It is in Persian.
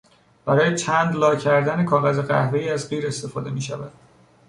برای چند لا کردن کاغذ قهوهای از قیر استفاده میشود.